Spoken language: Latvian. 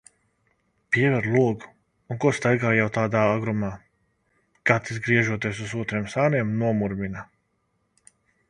"Piever logu un ko staigā jau tādā agrumā?" Gatis, griežoties uz otriem sāniem, nomurmina.